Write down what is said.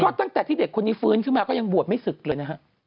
ก็ตั้งแต่ที่เด็กคนนี้ฟื้นขึ้นมาก็ยังบวชไม่ศึกเลยนะฮะ